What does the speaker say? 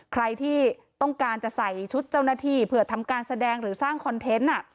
ใครที่ต้องการจะใส่ชุดเจ้าหน้าที่เผื่อทำการแสดงหรือสร้างคอนเทนต์